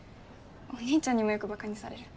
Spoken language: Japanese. お兄ちゃんにもよく馬鹿にされる。